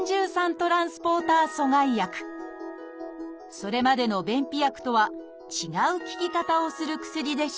それまでの便秘薬とは違う効き方をする薬でした。